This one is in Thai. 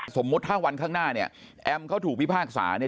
สมมุติถ้าวันข้างหน้าเนี่ยแอมเขาถูกพิพากษาเนี่ย